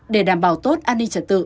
để đảm bảo tốt an ninh trật tự